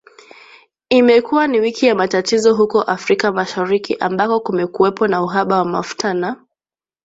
Imekuwa ni wiki ya matatizo huko Afrika Mashariki ambako kumekuwepo na uhaba wa mafuta na